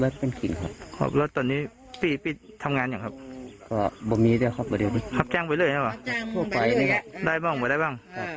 ได้บ้างบอกได้บ้าง